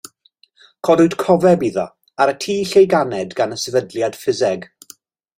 Codwyd cofeb iddo ar y tŷ lle'i ganed gan y Sefydliad Ffiseg.